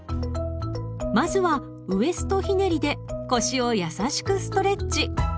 まずはウエストひねりで腰をやさしくストレッチ。